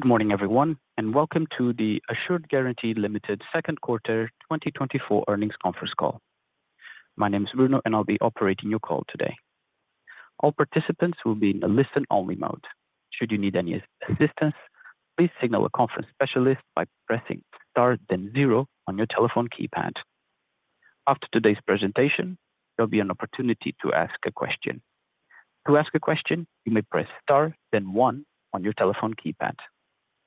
Good morning, everyone, and welcome to the Assured Guaranty Limited Second Quarter 2024 Earnings Conference Call. My name is Bruno, and I'll be operating your call today. All participants will be in a listen-only mode. Should you need any assistance, please signal a conference specialist by pressing star, then zero on your telephone keypad. After today's presentation, there'll be an opportunity to ask a question. To ask a question, you may press star, then one on your telephone keypad.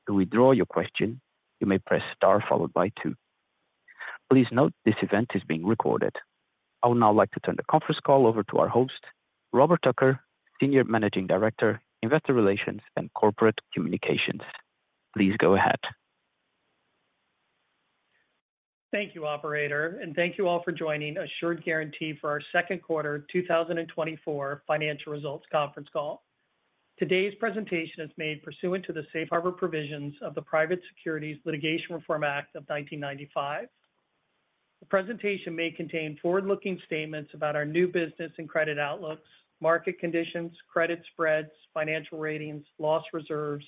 To withdraw your question, you may press star followed by two. Please note, this event is being recorded. I would now like to turn the conference call over to our host, Robert Tucker, Senior Managing Director, Investor Relations and Corporate Communications. Please go ahead. Thank you, Operator, and thank you all for joining Assured Guaranty for our Second Quarter 2024 Financial Results Conference Call. Today's presentation is made pursuant to the Safe Harbor Provisions of the Private Securities Litigation Reform Act of 1995. The presentation may contain forward-looking statements about our new business and credit outlooks, market conditions, credit spreads, financial ratings, loss reserves,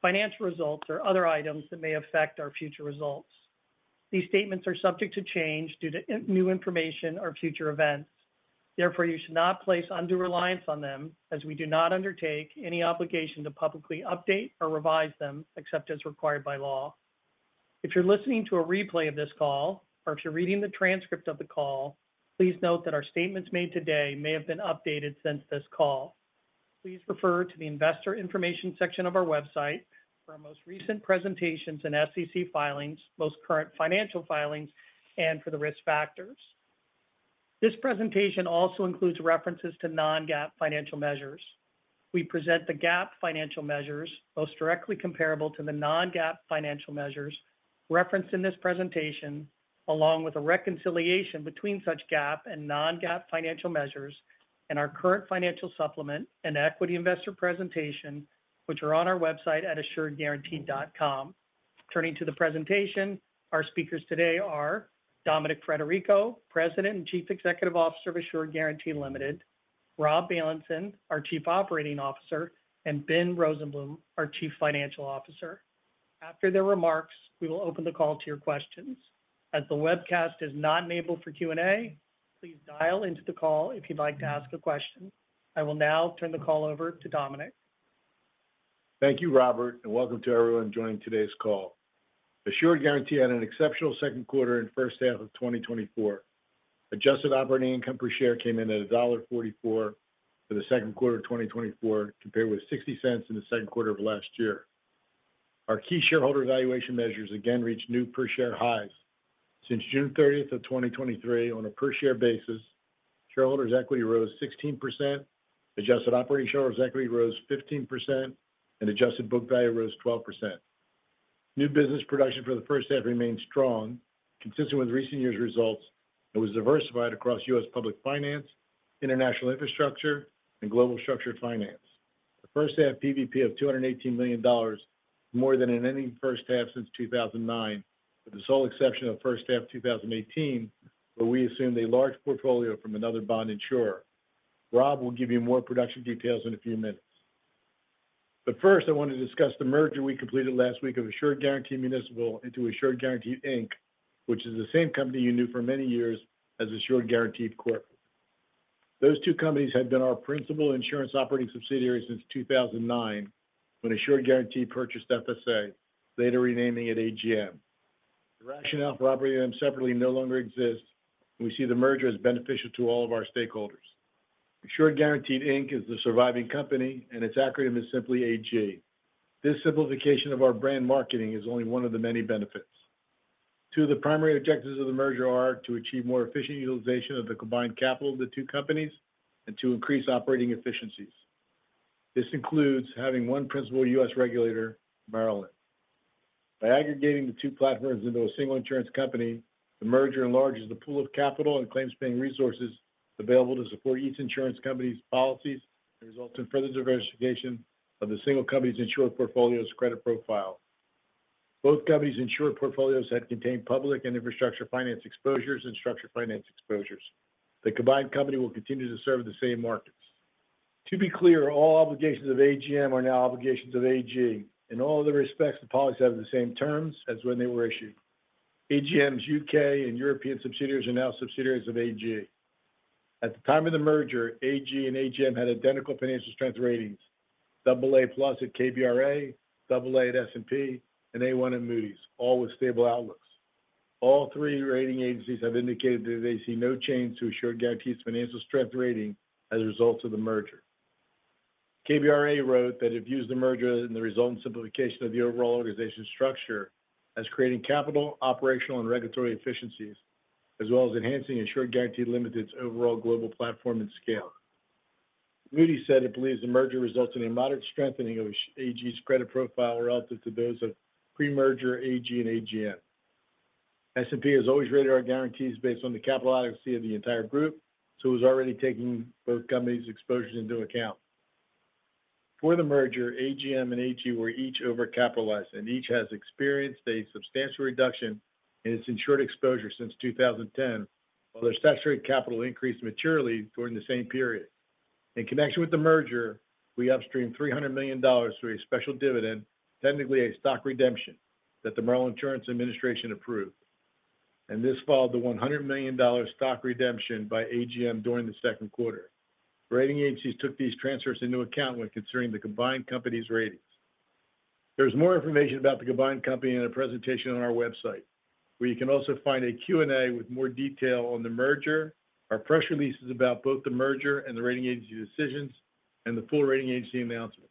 financial results, or other items that may affect our future results. These statements are subject to change due to, in, new information or future events. Therefore, you should not place undue reliance on them as we do not undertake any obligation to publicly update or revise them, except as required by law. If you're listening to a replay of this call or if you're reading the transcript of the call, please note that our statements made today may have been updated since this call. Please refer to the investor information section of our website for our most recent presentations and SEC filings, most current financial filings, and for the risk factors. This presentation also includes references to non-GAAP financial measures. We present the GAAP financial measures, most directly comparable to the non-GAAP financial measures referenced in this presentation, along with a reconciliation between such GAAP and non-GAAP financial measures in our current financial supplement and equity investor presentation, which are on our website at assuredguaranty.com. Turning to the presentation, our speakers today are Dominic Frederico, President and Chief Executive Officer of Assured Guaranty Limited; Rob Bailenson, our Chief Operating Officer; and Ben Rosenblum, our Chief Financial Officer. After their remarks, we will open the call to your questions. As the webcast is not enabled for Q&A, please dial into the call if you'd like to ask a question. I will now turn the call over to Dominic. Thank you, Robert, and welcome to everyone joining today's call. Assured Guaranty had an exceptional second quarter and first half of 2024. Adjusted operating income per share came in at $1.44 for the second quarter of 2024, compared with $0.60 in the second quarter of last year. Our key shareholder valuation measures again reached new per-share highs. Since June 30th, 2023 on a per-share basis, shareholders' equity rose 16%, adjusted operating shareholders' equity rose 15%, and adjusted book value rose 12%. New business production for the first half remained strong, consistent with recent years' results, and was diversified across U.S. public finance, international infrastructure, and global structured finance. The first half PVP of $218 million, more than in any first half since 2009, with the sole exception of first half of 2018, where we assumed a large portfolio from another bond insurer. Rob will give you more production details in a few minutes. But first, I want to discuss the merger we completed last week of Assured Guaranty Municipal into Assured Guaranty Inc., which is the same company you knew for many years as Assured Guaranty Corp. Those two companies had been our principal insurance operating subsidiaries since 2009, when Assured Guaranty purchased FSA, later renaming it AGM. The rationale for operating them separately no longer exists, and we see the merger as beneficial to all of our stakeholders. Assured Guaranty Inc is the surviving company, and its acronym is simply AG. This simplification of our brand marketing is only one of the many benefits. Two of the primary objectives of the merger are to achieve more efficient utilization of the combined capital of the two companies and to increase operating efficiencies. This includes having one principal U.S. regulator, Maryland. By aggregating the two platforms into a single insurance company, the merger enlarges the pool of capital and claims-paying resources available to support each insurance company's policies and results in further diversification of the single company's insured portfolio's credit profile. Both companies' insured portfolios had contained public and infrastructure finance exposures and structured finance exposures. The combined company will continue to serve the same markets. To be clear, all obligations of AGM are now obligations of AG. In all other respects, the policies have the same terms as when they were issued. AGM's U.K. and European subsidiaries are now subsidiaries of AG. At the time of the merger, AG and AGM had identical financial strength ratings: AA+ at KBRA, AA at S&P, and A1 at Moody's, all with stable outlooks. All three rating agencies have indicated that they see no change to Assured Guaranty's financial strength rating as a result of the merger. KBRA wrote that it views the merger and the resulting simplification of the overall organization structure as creating capital, operational, and regulatory efficiencies, as well as enhancing Assured Guaranty Limited's overall global platform and scale. Moody's said it believes the merger results in a moderate strengthening of AG's credit profile relative to those of pre-merger AG and AGM. S&P has always rated our guarantees based on the capital adequacy of the entire group, so it was already taking both companies' exposures into account. Before the merger, AGM and AG were each overcapitalized, and each has experienced a substantial reduction in its insured exposure since 2010, while their statutory capital increased materially during the same period. In connection with the merger, we upstreamed $300 million through a special dividend, technically a stock redemption, that the Maryland Insurance Administration approved. This followed the $100 million stock redemption by AGM during the second quarter. Rating agencies took these transfers into account when considering the combined company's ratings. There's more information about the combined company in a presentation on our website, where you can also find a Q&A with more detail on the merger, our press releases about both the merger and the rating agency decisions, and the full rating agency announcements.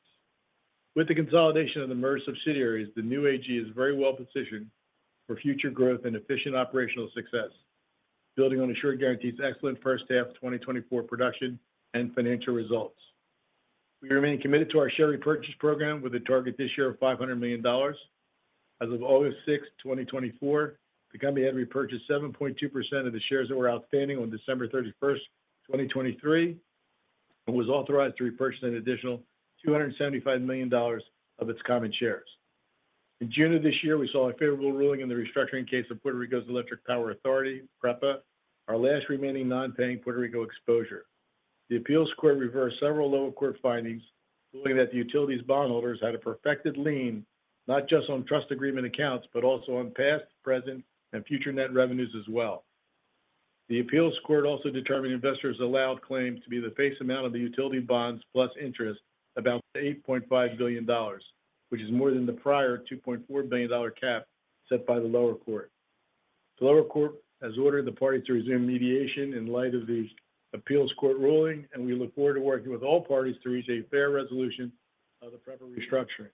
With the consolidation of the merged subsidiaries, the new AG is very well positioned for future growth and efficient operational success, building on Assured Guaranty's excellent first half 2024 production and financial results. We remain committed to our share repurchase program, with a target this year of $500 million. As of August 6th, 2024, the company had repurchased 7.2% of the shares that were outstanding on December 31st, 2023, and was authorized to repurchase an additional $275 million of its common shares. In June of this year, we saw a favorable ruling in the restructuring case of Puerto Rico's Electric Power Authority, PREPA, our last remaining non-paying Puerto Rico exposure. The appeals court reversed several lower court findings, ruling that the utility's bondholders had a perfected lien, not just on trust agreement accounts, but also on past, present, and future net revenues as well. The appeals court also determined investors allowed claims to be the face amount of the utility bonds plus interest, about $8.5 billion, which is more than the prior $2.4 billion cap set by the lower court. The lower court has ordered the parties to resume mediation in light of the appeals court ruling, and we look forward to working with all parties to reach a fair resolution of the PREPA restructuring.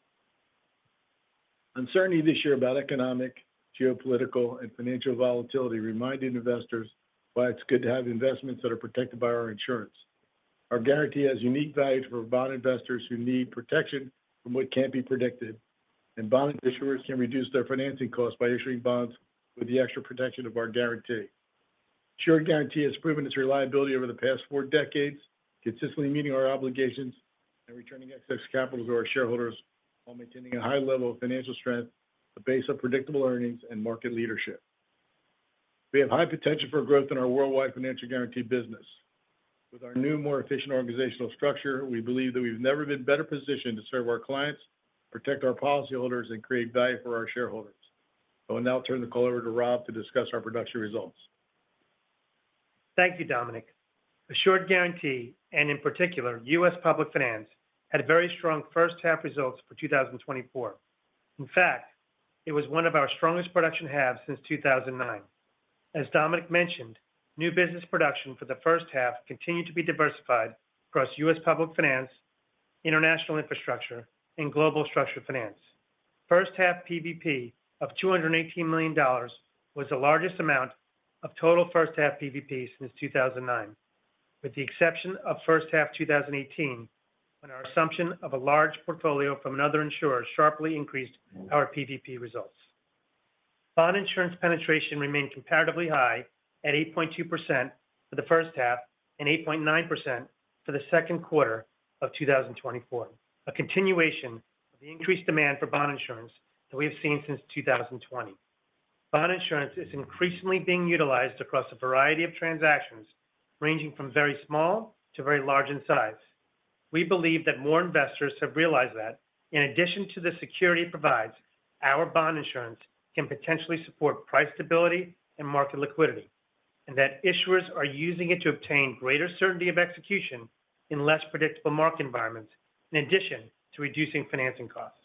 Uncertainty this year about economic, geopolitical, and financial volatility reminded investors why it's good to have investments that are protected by our insurance. Our Guaranty has unique value for bond investors who need protection from what can't be predicted, and bond issuers can reduce their financing costs by issuing bonds with the extra protection of our Guaranty. Assured Guaranty has proven its reliability over the past four decades, consistently meeting our obligations and returning excess capital to our shareholders while maintaining a high level of financial strength, the base of predictable earnings, and market leadership. We have high potential for growth in our worldwide financial Guaranty business. With our new, more efficient organizational structure, we believe that we've never been better positioned to serve our clients, protect our policyholders, and create value for our shareholders. I will now turn the call over to Rob to discuss our production results. Thank you, Dominic. Assured Guaranty, and in particular, U.S. Public Finance, had very strong first half results for 2024. In fact, it was one of our strongest production halves since 2009. As Dominic mentioned, new business production for the first half continued to be diversified across U.S. Public Finance, International Infrastructure, and Global Structured Finance. First half PVP of $218 million was the largest amount of total first half PVP since 2009, with the exception of first half 2018, when our assumption of a large portfolio from another insurer sharply increased our PVP results. Bond insurance penetration remained comparatively high at 8.2% for the first half and 8.9% for the second quarter of 2024, a continuation of the increased demand for bond insurance that we have seen since 2020. Bond insurance is increasingly being utilized across a variety of transactions, ranging from very small to very large in size. We believe that more investors have realized that in addition to the security it provides, our bond insurance can potentially support price stability and market liquidity, and that issuers are using it to obtain greater certainty of execution in less predictable market environments, in addition to reducing financing costs.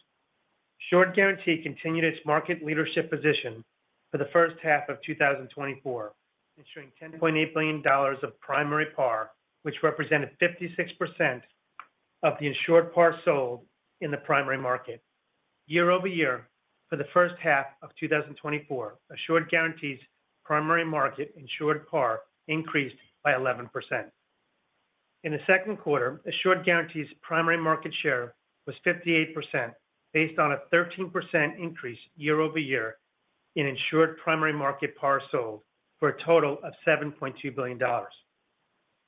Assured Guaranty continued its market leadership position for the first half of 2024, ensuring $10.8 billion of primary par, which represented 56% of the insured par sold in the primary market. Year-over-year, for the first half of 2024, Assured Guaranty's primary market insured par increased by 11%. In the second quarter, Assured Guaranty's primary market share was 58%, based on a 13% increase year-over-year in insured primary market par sold for a total of $7.2 billion.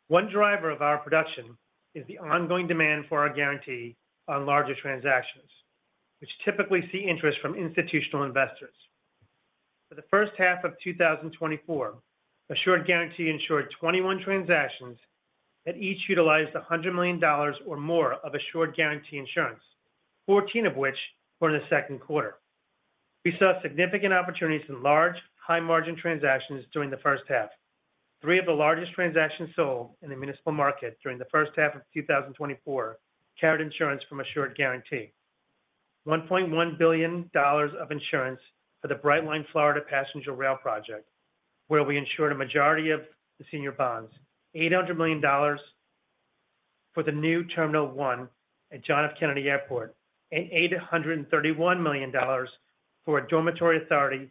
One driver of our production is the ongoing demand for our Guaranty on larger transactions, which typically see interest from institutional investors. For the first half of 2024, Assured Guaranty insured 21 transactions that each utilized $100 million or more of Assured Guaranty insurance, 14 of which were in the second quarter. We saw significant opportunities in large, high-margin transactions during the first half. Three of the largest transactions sold in the municipal market during the first half of 2024 carried insurance from Assured Guaranty. $1.1 billion of insurance for the Brightline Florida passenger rail project, where we insured a majority of the senior bonds. $800 million for the New Terminal One at John F. Kennedy International Airport, and $831 million for a Dormitory Authority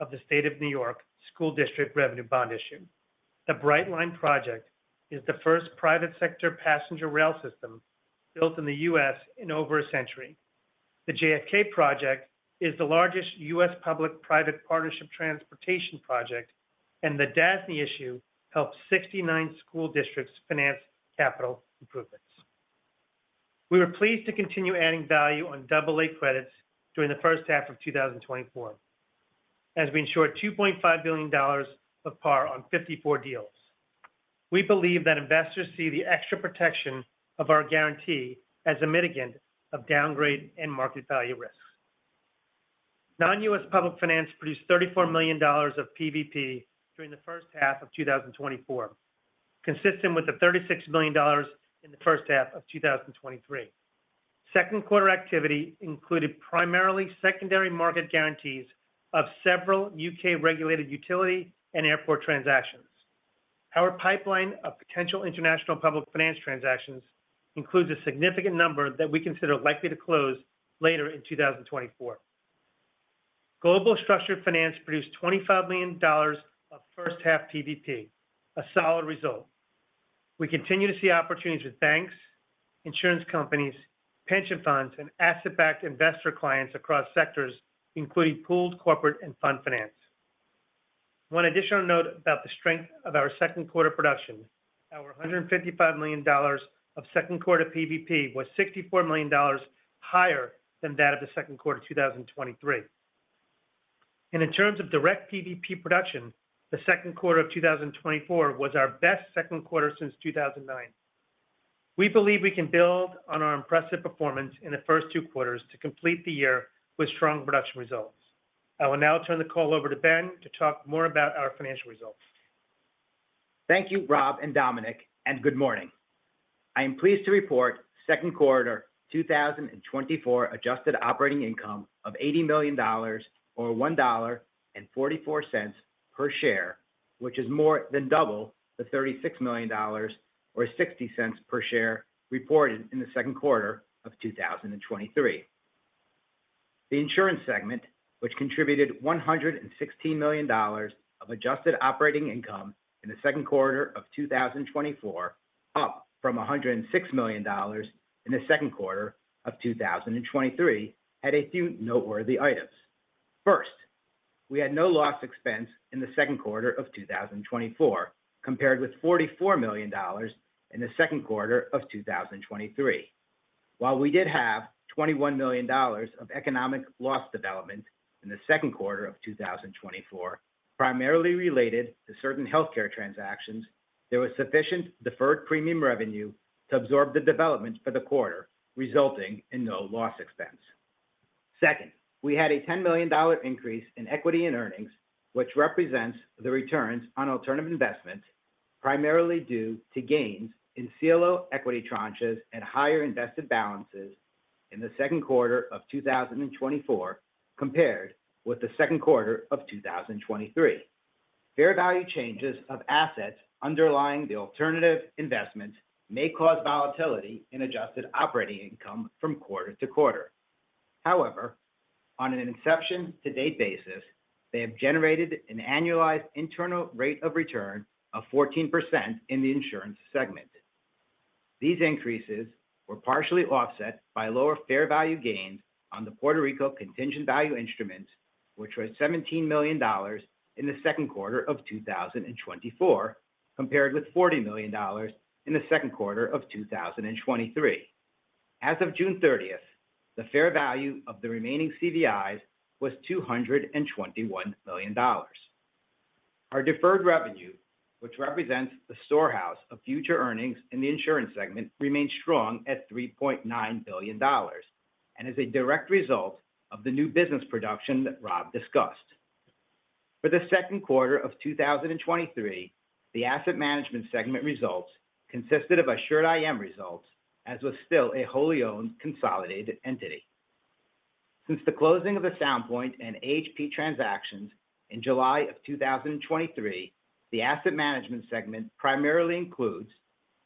of the State of New York School District Revenue Bond issue. The Brightline project is the first private sector passenger rail system built in the U.S. in over a century. The JFK project is the largest U.S. public-private partnership transportation project, and the DASNY issue helped 69 school districts finance capital improvements. We were pleased to continue adding value on AA credits during the first half of 2024, as we insured $2.5 billion of par on 54 deals. We believe that investors see the extra protection of our guarantee as a mitigant of downgrade and market value risks. Non-U.S. public finance produced $34 million of PVP during the first half of 2024, consistent with the $36 million in the first half of 2023. Second quarter activity included primarily secondary market guarantees of several U.K.-regulated utility and airport transactions. Our pipeline of potential international public finance transactions includes a significant number that we consider likely to close later in 2024. Global structured finance produced $25 million of first half PVP, a solid result. We continue to see opportunities with banks, insurance companies, pension funds, and asset-backed investor clients across sectors, including pooled, corporate, and fund finance. One additional note about the strength of our second quarter production, our $155 million of second quarter PVP was $64 million higher than that of the second quarter of 2023. In terms of direct PVP production, the second quarter of 2024 was our best second quarter since 2009. We believe we can build on our impressive performance in the first two quarters to complete the year with strong production results. I will now turn the call over to Ben to talk more about our financial results. Thank you, Rob and Dominic, and good morning. I am pleased to report second quarter 2024 adjusted operating income of $80 million or $1.44 per share, which is more than double the $36 million or $0.60 per share reported in the second quarter of 2023. The insurance segment, which contributed $116 million of adjusted operating income in the second quarter of 2024, up from $106 million in the second quarter of 2023, had a few noteworthy items. First, we had no loss expense in the second quarter of 2024, compared with $44 million in the second quarter of 2023. While we did have $21 million of economic loss development in the second quarter of 2024, primarily related to certain healthcare transactions, there was sufficient deferred premium revenue to absorb the development for the quarter, resulting in no loss expense. Second, we had a $10 million increase in equity and earnings, which represents the returns on alternative investments, primarily due to gains in CLO equity tranches and higher invested balances in the second quarter of 2024, compared with the second quarter of 2023. Fair value changes of assets underlying the alternative investment may cause volatility in adjusted operating income from quarter to quarter. However, on an inception to date basis, they have generated an annualized internal rate of return of 14% in the insurance segment. These increases were partially offset by lower fair value gains on the Puerto Rico contingent value instrument, which was $17 million in the second quarter of 2024, compared with $40 million in the second quarter of 2023. As of June 30th, the fair value of the remaining CVIs was $221 million. Our deferred revenue, which represents the storehouse of future earnings in the insurance segment, remains strong at $3.9 billion, and is a direct result of the new business production that Rob discussed. For the second quarter of 2023, the asset management segment results consisted of Assured IM results, as was still a wholly-owned consolidated entity. Since the closing of the Sound Point and AHP transactions in July of 2023, the asset management segment primarily includes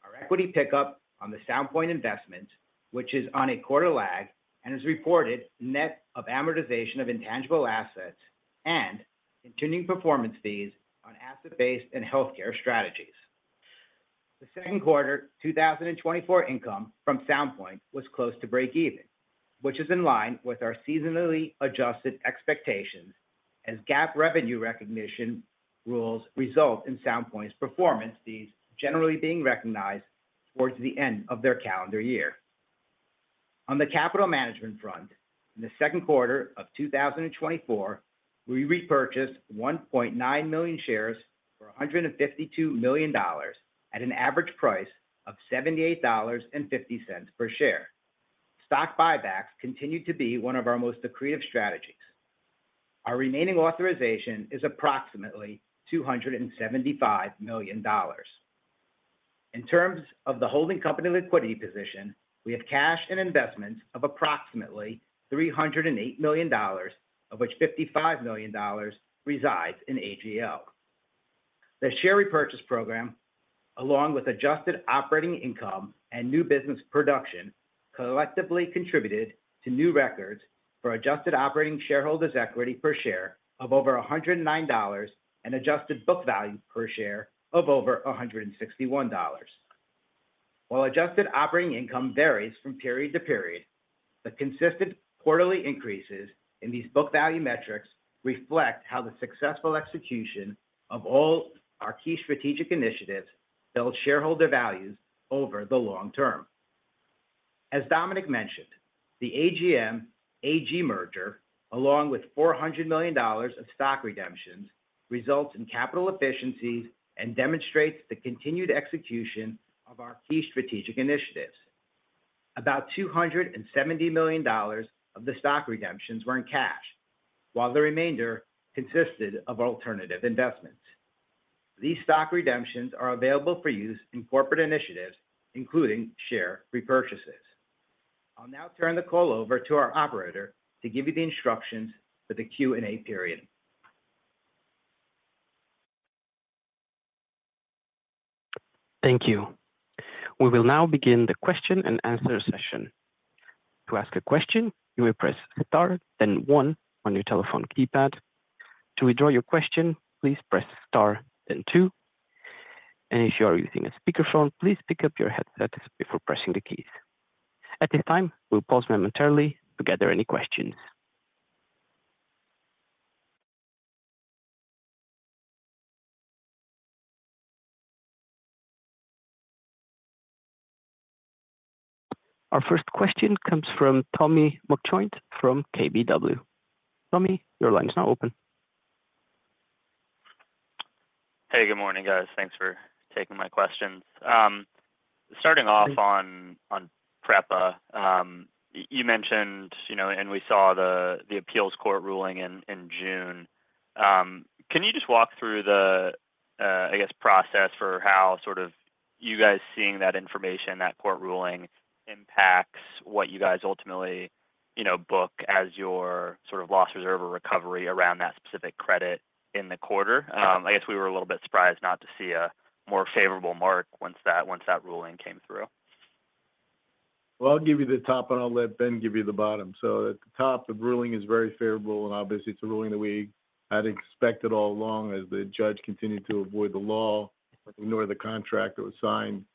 our equity pickup on the Sound Point investment, which is on a quarter lag and is reported net of amortization of intangible assets and continuing performance fees on asset-based and healthcare strategies. The second quarter 2024 income from Sound Point was close to breakeven, which is in line with our seasonally adjusted expectations as GAAP revenue recognition rules result in Sound Point's performance fees generally being recognized towards the end of their calendar year. On the capital management front, in the second quarter of 2024, we repurchased 1.9 million shares for $152 million at an average price of $78.50 per share. Stock buybacks continue to be one of our most accretive strategies. Our remaining authorization is approximately $275 million. In terms of the holding company liquidity position, we have cash and investments of approximately $308 million, of which $55 million resides in AGL. The share repurchase program, along with adjusted operating income and new business production, collectively contributed to new records for adjusted operating shareholders' equity per share of over $109, and adjusted book value per share of over $161. While adjusted operating income varies from period to period. The consistent quarterly increases in these book value metrics reflect how the successful execution of all our key strategic initiatives build shareholder values over the long term. As Dominic mentioned, the AGM, AG merger, along with $400 million of stock redemptions, results in capital efficiencies and demonstrates the continued execution of our key strategic initiatives. About $270 million of the stock redemptions were in cash, while the remainder consisted of alternative investments. These stock redemptions are available for use in corporate initiatives, including share repurchases. I'll now turn the call over to our operator to give you the instructions for the Q&A period. Thank you. We will now begin the question and answer session. To ask a question, you may press star, then one on your telephone keypad. To withdraw your question, please press star, then two. If you are using a speakerphone, please pick up your headset before pressing the keys. At this time, we'll pause momentarily to gather any questions. Our first question comes from Tommy McJoynt from KBW. Tommy, your line is now open. Hey, good morning, guys. Thanks for taking my questions. Starting off on PREPA, you mentioned, you know, and we saw the appeals court ruling in June. Can you just walk through the, I guess, process for how sort of you guys seeing that information, that court ruling impacts what you guys ultimately, you know, book as your sort of loss reserve or recovery around that specific credit in the quarter? I guess we were a little bit surprised not to see a more favorable mark once that ruling came through. Well, I'll give you the top, and I'll let Ben give you the bottom. So at the top, the ruling is very favorable, and obviously, it's a ruling that we had expected all along as the judge continued to avoid the law, ignore the contract that was signed.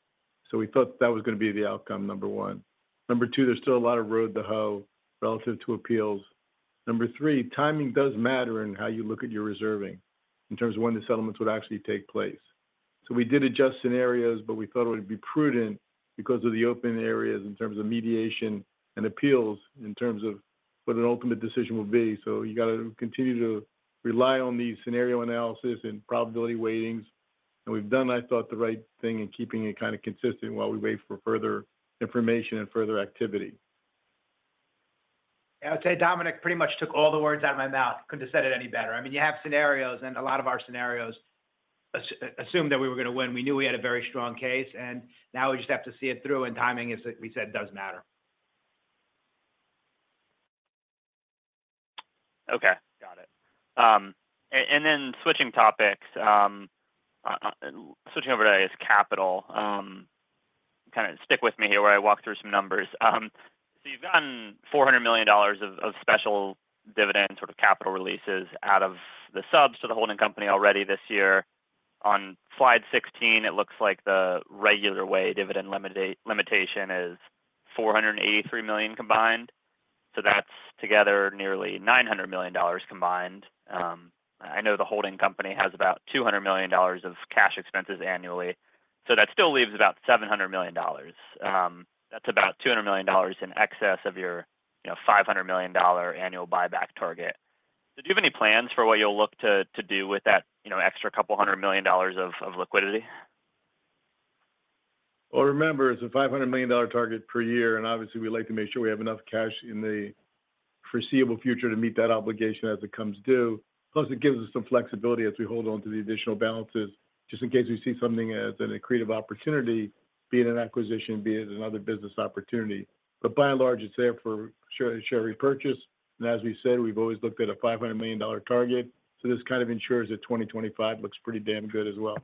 So we thought that was going to be the outcome, number one. Number two, there's still a lot of row to hoe relative to appeals. Number three, timing does matter in how you look at your reserving in terms of when the settlements would actually take place. So we did adjust scenarios, but we thought it would be prudent because of the open areas in terms of mediation and appeals, in terms of what an ultimate decision will be. So you got to continue to rely on these scenario analysis and probability weightings. We've done, I thought, the right thing in keeping it kind of consistent while we wait for further information and further activity. Yeah, I'd say Dominic pretty much took all the words out of my mouth. Couldn't have said it any better. I mean, you have scenarios, and a lot of our scenarios assume that we were going to win. We knew we had a very strong case, and now we just have to see it through, and timing, as we said, does matter. Okay, got it. And then switching topics, switching over to insurance capital. Kind of stick with me here where I walk through some numbers. So you've gotten $400 million of special dividend, sort of capital releases out of the subs to the holding company already this year. On slide 16, it looks like the regular way dividend limitation is $483 million combined. So that's together, nearly $900 million combined. I know the holding company has about $200 million of cash expenses annually, so that still leaves about $700 million. That's about $200 million in excess of your, you know, $500 million annual buyback target. So do you have any plans for what you'll look to do with that, you know, extra $200 million of liquidity? Well, remember, it's a $500 million target per year, and obviously, we like to make sure we have enough cash in the foreseeable future to meet that obligation as it comes due, plus it gives us some flexibility as we hold on to the additional balances, just in case we see something as an accretive opportunity, be it an acquisition, be it another business opportunity. But by and large, it's there for share repurchase. And as we said, we've always looked at a $500 million target, so this kind of ensures that 2025 looks pretty damn good as well.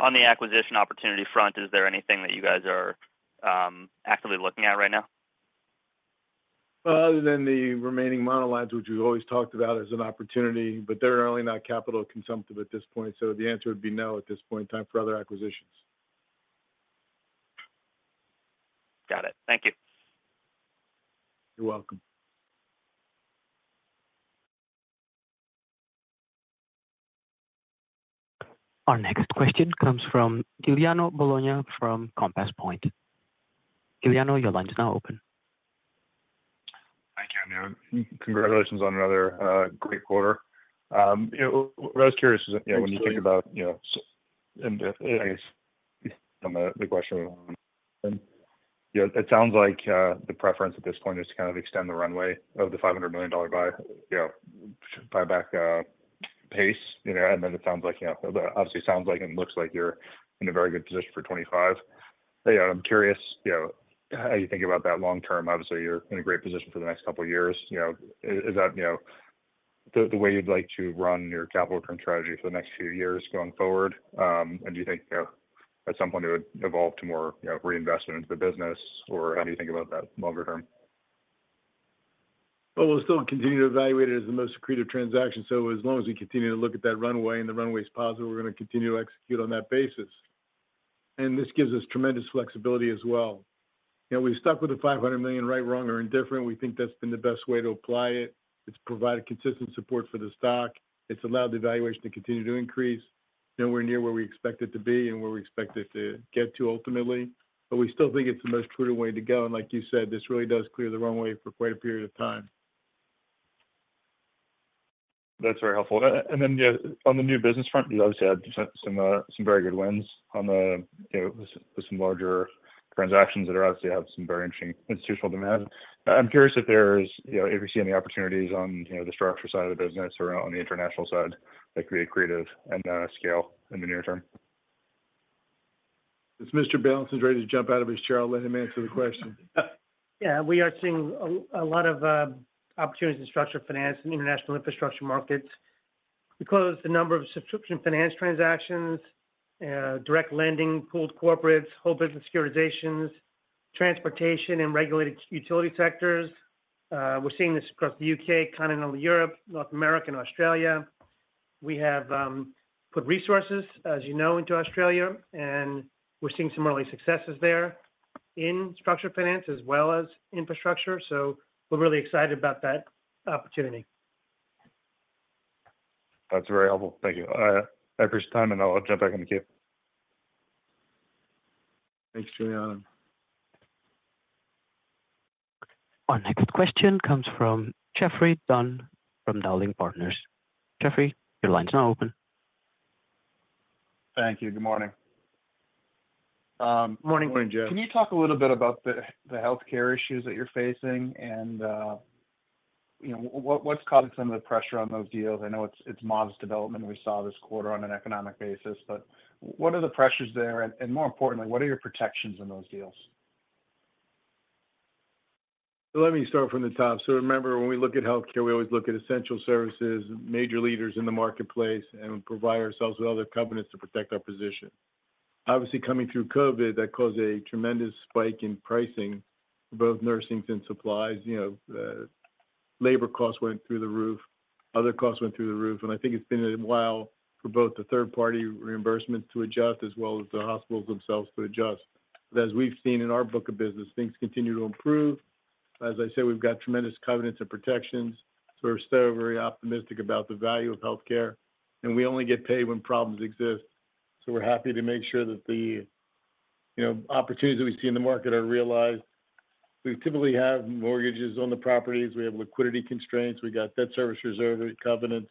On the acquisition opportunity front, is there anything that you guys are, actively looking at right now? Other than the remaining monolines, which we've always talked about as an opportunity, but they're really not capital consumptive at this point, so the answer would be no at this point in time for other acquisitions. Got it. Thank you. You're welcome. Our next question comes from Giuliano Bologna from Compass Point. Giuliano, your line is now open. Hi, Dominic. Congratulations on another, great quarter. What I was curious is, when you think about, and I guess the question, it sounds like, the preference at this point is to kind of extend the runway of the $500 million buy, buyback, pace, and then it sounds like-- obviously, it sounds like and looks like you're in a very good position for 25. I'm curious, how you think about that long term. Obviously, you're in a great position for the next couple of years. Is that, the way you'd like to run your capital strategy for the next few years going forward? And do you think, you know, at some point it would evolve to more, you know, reinvestment into the business, or how do you think about that longer term?... Well, we'll still continue to evaluate it as the most accretive transaction. So as long as we continue to look at that runway, and the runway is positive, we're gonna continue to execute on that basis. And this gives us tremendous flexibility as well. You know, we've stuck with the $500 million, right, wrong, or indifferent. We think that's been the best way to apply it. It's provided consistent support for the stock. It's allowed the valuation to continue to increase. Nowhere near where we expect it to be and where we expect it to get to ultimately, but we still think it's the most accretive way to go. And like you said, this really does clear the runway for quite a period of time. That's very helpful. And then, yeah, on the new business front, you obviously had some some very good wins on the, you know, with some larger transactions that are obviously have some very interesting institutional demand. I'm curious if there's, you know, if you see any opportunities on, you know, the structure side of the business or on the international side that create creative and scale in the near term. If Mr. Beilenson is ready to jump out of his chair, I'll let him answer the question. Yeah, we are seeing a lot of opportunities in structured finance and international infrastructure markets. We closed a number of subscription finance transactions, direct lending, pooled corporates, whole business securitizations, transportation, and regulated utility sectors. We're seeing this across the U.K., Continental Europe, North America, and Australia. We have put resources, as you know, into Australia, and we're seeing some early successes there in structured finance as well as infrastructure. So we're really excited about that opportunity. That's very helpful. Thank you. I appreciate time, and I'll jump back in the queue. Thanks, Giuliano. Our next question comes from Geoffrey Dunn from Dowling & Partners. Geoffrey, your line is now open. Thank you. Good morning. Morning, Geoff. Can you talk a little bit about the healthcare issues that you're facing and, you know, what's causing some of the pressure on those deals? I know it's Moody's development we saw this quarter on an economic basis, but what are the pressures there? And, more importantly, what are your protections in those deals? Let me start from the top. So remember, when we look at healthcare, we always look at essential services, major leaders in the marketplace, and we provide ourselves with other covenants to protect our position. Obviously, coming through COVID, that caused a tremendous spike in pricing for both nursing and supplies. You know, labor costs went through the roof, other costs went through the roof, and I think it's been a while for both the third-party reimbursements to adjust, as well as the hospitals themselves to adjust. But as we've seen in our book of business, things continue to improve. As I said, we've got tremendous covenants and protections, so we're still very optimistic about the value of healthcare, and we only get paid when problems exist. So we're happy to make sure that the, you know, opportunities we see in the market are realized. We typically have mortgages on the properties. We have liquidity constraints. We got debt service reserve covenants.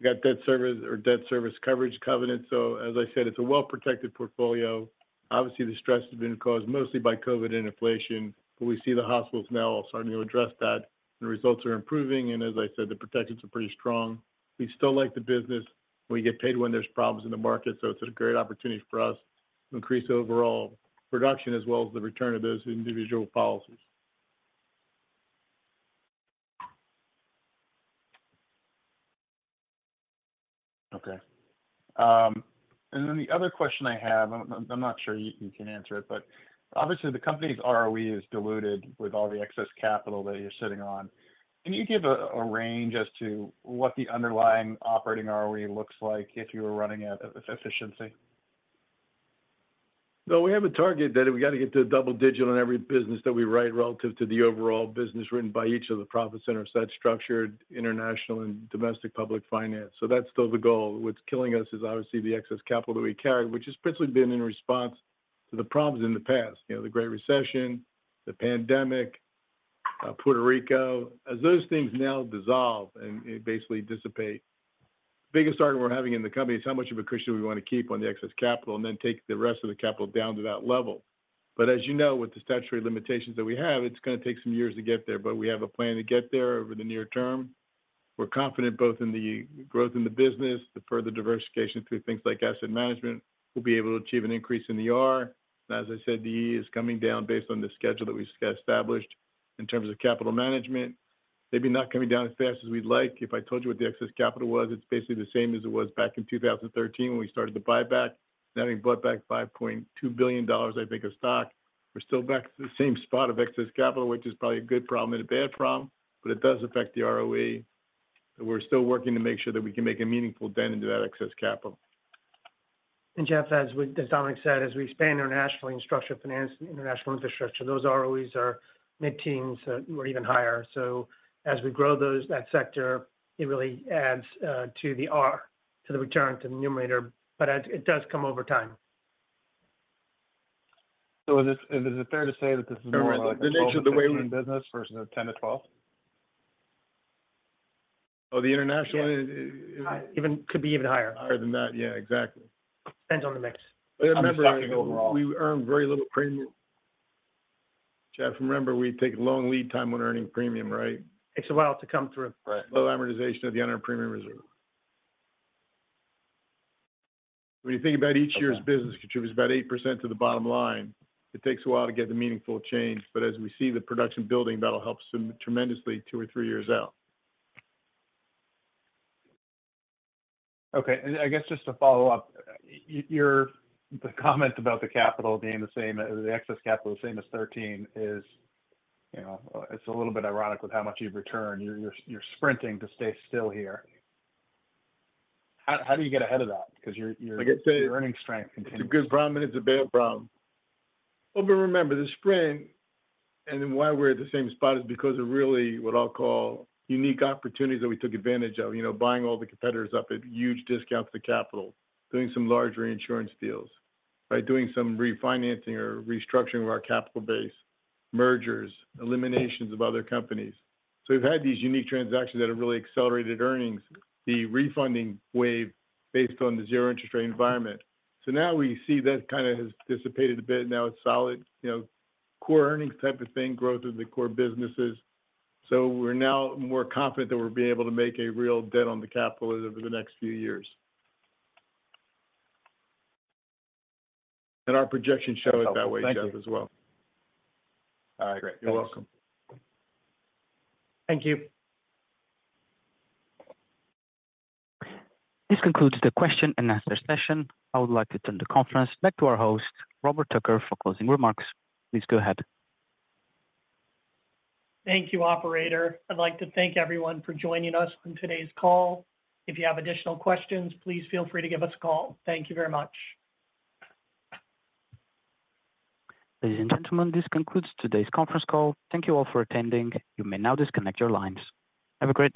We got debt service or debt service coverage covenants. So as I said, it's a well-protected portfolio. Obviously, the stress has been caused mostly by COVID and inflation, but we see the hospitals now are starting to address that, and the results are improving, and as I said, the protections are pretty strong. We still like the business. We get paid when there's problems in the market, so it's a great opportunity for us to increase overall production as well as the return of those individual policies. Okay. And then the other question I have, I'm not sure you can answer it, but obviously the company's ROE is diluted with all the excess capital that you're sitting on. Can you give a range as to what the underlying operating ROE looks like if you were running out of efficiency? No, we have a target that we got to get to double-digit in every business that we write relative to the overall business written by each of the profit centers, that's structured, international, and domestic public finance. So that's still the goal. What's killing us is obviously the excess capital that we carry, which has principally been in response to the problems in the past. You know, the Great Recession, the pandemic, Puerto Rico. As those things now dissolve and basically dissipate, the biggest argument we're having in the company is how much of a cushion we want to keep on the excess capital and then take the rest of the capital down to that level. But as you know, with the statutory limitations that we have, it's gonna take some years to get there, but we have a plan to get there over the near term. We're confident both in the growth in the business, the further diversification through things like asset management, we'll be able to achieve an increase in the ROE. As I said, the E is coming down based on the schedule that we've established in terms of capital management. Maybe not coming down as fast as we'd like. If I told you what the excess capital was, it's basically the same as it was back in 2013 when we started the buyback. Now, we bought back $5.2 billion, I think, of stock. We're still back to the same spot of excess capital, which is probably a good problem and a bad problem, but it does affect the ROE. We're still working to make sure that we can make a meaningful dent into that excess capital. And Geoff, as Dominic said, as we expand internationally in structured finance and international infrastructure, those ROEs are mid-teens or even higher. So as we grow those, that sector, it really adds to the R, to the return, to the numerator, but it does come over time. Is it, is it fair to say that this is more like- The nature of the way- business versus the 10-12? Oh, the international- Yeah. Is, is- Even, could be even higher. Higher than that. Yeah, exactly. Depends on the mix. Remember- Overall. We earn very little premium. Geoff, remember, we take long lead time when earning premium, right? Takes a while to come through. Right. Low amortization of the unearned premium reserve. When you think about each year's business contributes about 8% to the bottom line, it takes a while to get the meaningful change. But as we see the production building, that'll help us tremendously two or three years out. Okay. And I guess just to follow up, your comment about the capital being the same, the excess capital, the same as 13 is, you know, it's a little bit ironic with how much you've returned. You're sprinting to stay still here. How do you get ahead of that? Because your, your- Like I said- Your earnings strength continues. It's a good problem, and it's a bad problem. But remember, the sprint and then why we're at the same spot is because of really what I'll call unique opportunities that we took advantage of. You know, buying all the competitors up at huge discounts to capital, doing some large reinsurance deals, by doing some refinancing or restructuring of our capital base, mergers, eliminations of other companies. So we've had these unique transactions that have really accelerated earnings, the refunding wave, based on the zero interest rate environment. So now we see that kind of has dissipated a bit, and now it's solid, you know, core earnings type of thing, growth of the core businesses. So we're now more confident that we'll be able to make a real dent on the capital over the next few years. And our projections show it that way- Thank you... Geoff, as well. All right, great. You're welcome. Thank you. This concludes the question and answer session. I would like to turn the conference back to our host, Robert Tucker, for closing remarks. Please go ahead. Thank you, Operator. I'd like to thank everyone for joining us on today's call. If you have additional questions, please feel free to give us a call. Thank you very much. Ladies, and gentlemen, this concludes today's conference call. Thank you all for attending. You may now disconnect your lines. Have a great day.